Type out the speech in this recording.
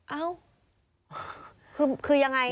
เอ้าคือยังไง